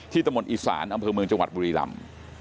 ที่ตมทศอิสรรอำเภอเมืองจังหวัดบุรีรำ